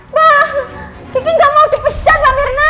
mbak kiki ga mau dipecat mbak mirna